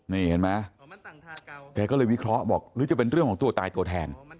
นี่เห็นไหมแกก็เลยวิเคราะห์บอกหรือจะเป็นเรื่องของตัวตายตัวแทน